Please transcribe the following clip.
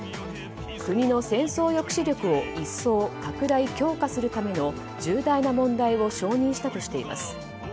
国の戦争抑止力を一層拡大・強化するための重大な問題を承認したとしています。